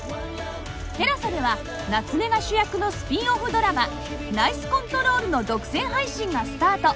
ＴＥＬＡＳＡ では夏目が主役のスピンオフドラマ『ＮＩＣＥＣＯＮＴＲＯＬ！』の独占配信がスタート